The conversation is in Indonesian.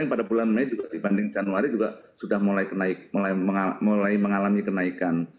pada bulan mei juga dibanding januari juga sudah mulai mengalami kenaikan